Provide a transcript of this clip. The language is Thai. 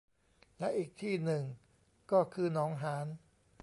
และอีกที่หนึ่งก็คือหนองหาร